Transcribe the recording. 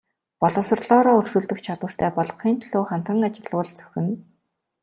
Боловсролоороо өрсөлдөх чадвартай болгохын төлөө хамтран ажиллавал зохино.